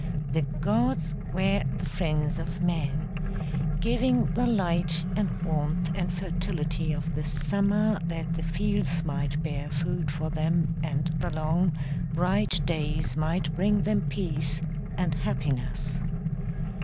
The gods were the friends of men, giving the light and warmth and fertility of the summer that the fields might bear food for them and the long, bright days might bring them peace and happiness.